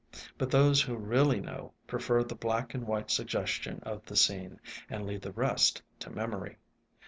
But those who really know, prefer the black and white suggestion of the scene, and leave the rest to memory.